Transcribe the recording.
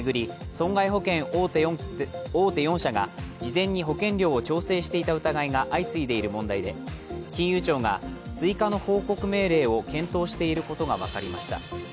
損害保険大手４社が事前に保険料を調整していた疑いが相次いでいる問題で金融庁が追加の報告命令を検討していることが分かりました。